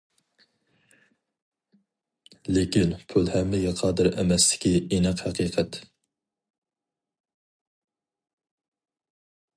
لېكىن پۇل ھەممىگە قادىر ئەمەسلىكى ئېنىق ھەقىقەت.